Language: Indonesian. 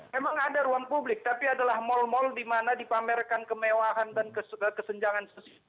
memang ada ruang publik tapi adalah mal mal dimana dipamerkan kemewahan dan kesenjangan